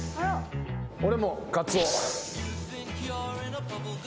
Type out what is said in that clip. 俺もカツオ。